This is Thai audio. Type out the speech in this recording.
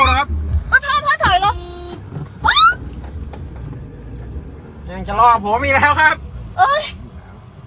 ยังจะรอผมอีกแล้วครับเอ้ย